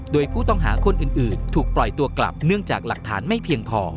โดยผู้ต้องหาคนอื่นถูกปล่อยตัวกลับเนื่องจากหลักฐานไม่เพียงพอ